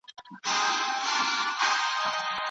که څوک وږي که ماړه دي په کورونو کي بندیان دي